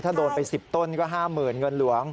ถ้าโดนไป๑๐ต้นก็๕๐๐๐เงินหลวง